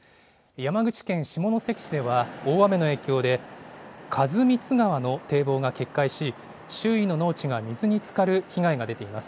山口県下関市では、大雨の影響で員光川の堤防が決壊し、周囲の農地が水につかる被害が出ています。